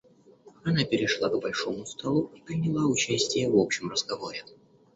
Она перешла к большому столу и приняла участие в общем разговоре.